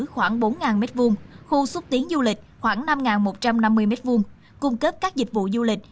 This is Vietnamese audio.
khoảng bốn m hai khu xúc tiến du lịch khoảng năm một trăm năm mươi m hai cung cấp các dịch vụ du lịch